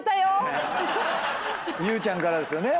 ゆうちゃんからですよね。